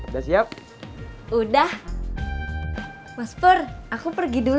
tapi aku udah ada yang nganter